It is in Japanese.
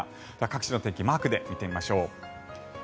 各地の天気マークで見てみましょう。